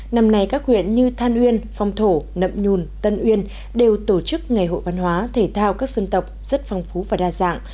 năm nay các huyện như than uyên phong thổ nậm nhùn tân uyên đều tổ chức ngày hội văn hóa thể thao các dân tộc rất phong phú và đa dạng